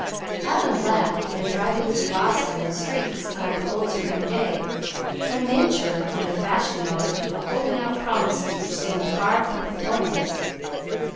Adam Ladd had been driving through Boston streets on a cold spring day when nature and the fashion mongers were holding out promises which seemed far from performance.